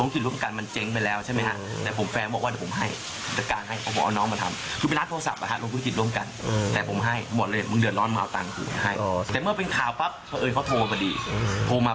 ประเด็นได้โทรศัพท์มือถือเคลียร์แล้วนะ